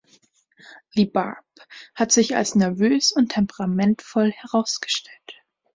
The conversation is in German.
The Barb hat sich als nervös und temperamentvoll herausgestellt.